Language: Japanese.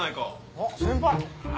あっ先輩。